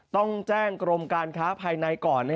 ต้องแจ้งกรมการค้าภายในก่อน